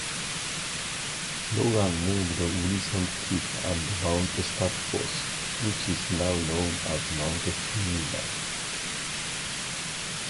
Logan named Wilsons Peak and Mount Shadforth, which is now known as Mount Toowoonan.